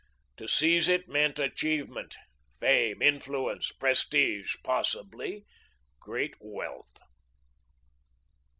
To seize it meant achievement, fame, influence, prestige, possibly great wealth.